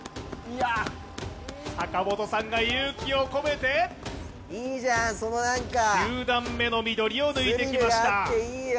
坂本さんが勇気を込めて、９段目の緑を抜いてきました。